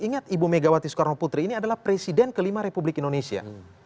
ingat ibu megawati soekarno putri ini adalah presiden kelima republik indonesia